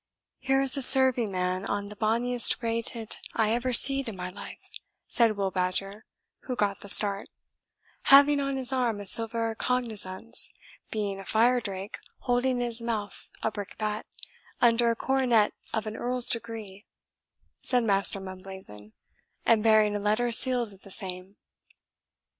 "Here is a serving man on the bonniest grey tit I ever see'd in my life," said Will Badger, who got the start "having on his arm a silver cognizance, being a fire drake holding in his mouth a brickbat, under a coronet of an Earl's degree," said Master Mumblazen, "and bearing a letter sealed of the same."